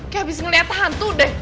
kayak habis ngeliat hantu deh